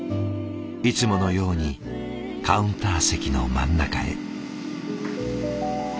いつものようにカウンター席の真ん中へ。